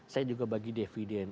saya juga bagi dividen